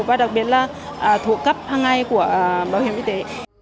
và đặc biệt là thuộc cấp hàng ngày của bảo hiểm y tế